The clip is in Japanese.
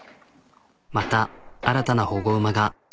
また新たな保護馬が。